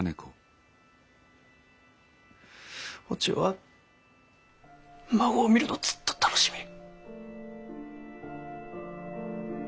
お千代は孫を見るのをずっと楽しみに。